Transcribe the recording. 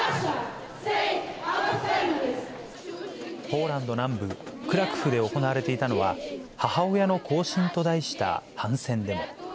ポーランド南部、クラクフで行われていたのは、母親の行進と題した反戦デモ。